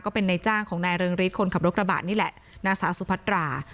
เป็นในจ้างของนายเริงฤทธิ์คนขับรถกระบะนี่แหละนางสาวสุพัตรา